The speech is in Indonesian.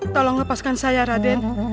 tolong lepaskan saya raden